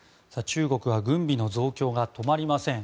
中国は軍備の増強が止まりません。